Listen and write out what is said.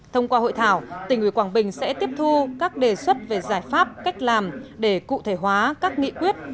thông qua hội thảo tỉnh ủy quảng bình sẽ tiếp thu các đề xuất về giải pháp cách làm để cụ thể hóa các nghị quyết